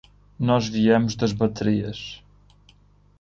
Nós viemos das baterias.